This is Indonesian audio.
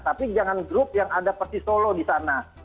tapi jangan grup yang ada persis solo di sana